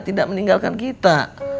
tidak meninggalkan kita